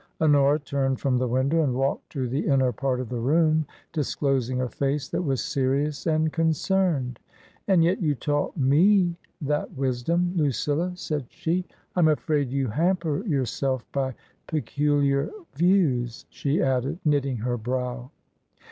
Honora turned from the window and walked to the inner part of the room, disclosing a fisice that was serious and concerned. "And yet you taught me that wisdom, Lucilla," said she. "I'm afraid you hamper yourself by peculiar views," she added, knitting her brow.